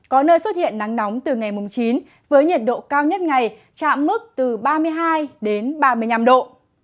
có nơi xuất hiện nắng nóng từ ngày mùng chín với nhiệt độ cao nhất ngày chạm mức từ ba mươi hai đến ba mươi năm độ